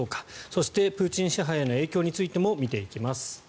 そしてプーチン支配への影響についても見ていきます。